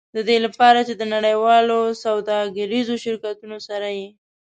د دې لپاره چې د نړیوالو سوداګریزو شرکتونو سره یې.